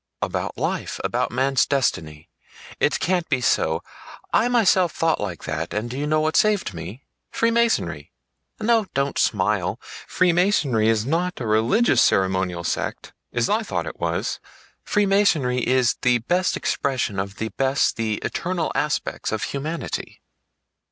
"About life, about man's destiny. It can't be so. I myself thought like that, and do you know what saved me? Freemasonry! No, don't smile. Freemasonry is not a religious ceremonial sect, as I thought it was: Freemasonry is the best expression of the best, the eternal, aspects of humanity."